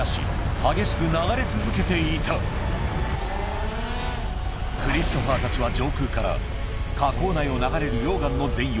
激しく流れ続けていたクリストファーたちは上空から火口内を流れる溶岩の全容